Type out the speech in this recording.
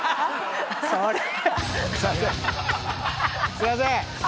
すいません。